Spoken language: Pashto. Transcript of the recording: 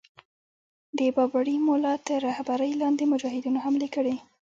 د بابړي مُلا تر رهبری لاندي مجاهدینو حملې کړې.